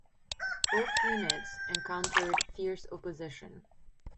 Both units encountered fierce opposition.